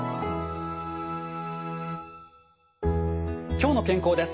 「きょうの健康」です。